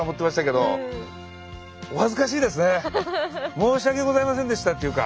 申し訳ございませんでしたっていうか。